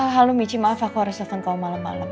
halo michi maaf aku harus datang ke kamu malam malam